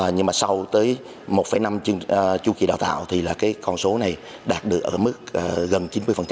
nhưng mà sau tới một năm chu kỳ đào tạo thì là cái con số này đạt được ở mức gần chín mươi